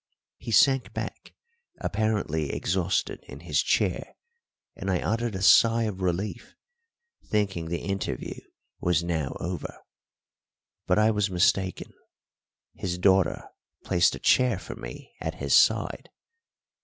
He sank back, apparently exhausted, in his chair, and I uttered a sigh of relief, thinking the interview was now over. But I was mistaken. His daughter placed a chair for me at his side.